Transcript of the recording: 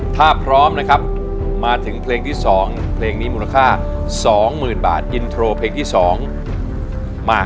ถ้าพร้อมนะครับมาถึงเพลงที่๒เพลงนี้มูลค่า๒๐๐๐บาทอินโทรเพลงที่๒มา